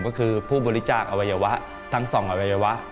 ก็คือผู้บริจาคอวัยวะทั้ง๒อวัยวะ